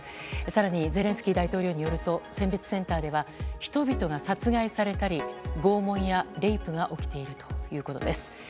更にゼレンスキー大統領によると選別センターでは人々が殺害されたり拷問やレイプが起きているということです。